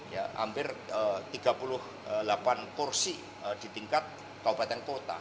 ya hampir tiga puluh delapan kursi di tingkat kabupaten kota